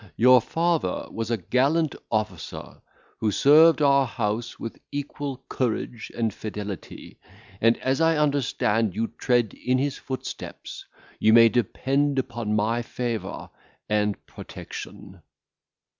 Your father was a gallant officer, who served our house with equal courage and fidelity; and as I understand you tread in his footsteps, you may depend upon my favour and protection."